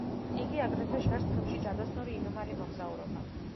იგი აგრეთვე ჟღერს ფილმში „ჯადოსნური იდუმალი მოგზაურობა“.